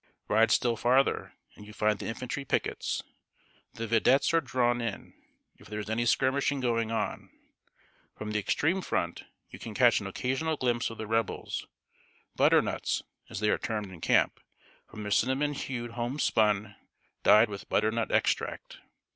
Ride still farther, and you find the infantry pickets. The vedettes are drawn in, if there is any skirmishing going on. From the extreme front, you catch an occasional glimpse of the Rebels "Butternuts," as they are termed in camp, from their cinnamon hued homespun, dyed with butternut extract.